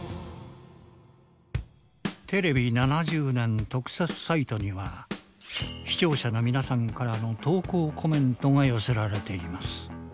テレビ７０年特設サイトには視聴者の皆さんからの投稿コメントが寄せられています。